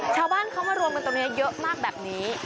ชาวบ้านเขามารวมกันตรงนี้เยอะมากแบบนี้